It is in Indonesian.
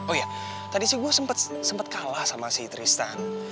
oh iya tadi sih gua sempet kalah sama si tristan